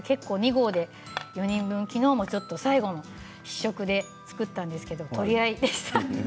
２合で４人分ですね、きのうも最後の試食で作ったんですけれど取り合いでした。